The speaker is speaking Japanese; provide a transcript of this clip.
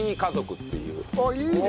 いいね！